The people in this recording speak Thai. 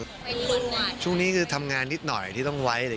เยี่ยมนะช่วงนี้ของทำงานนิดหน่อยที่ต้องไว้